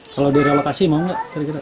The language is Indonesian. kalau direlokasi mau gak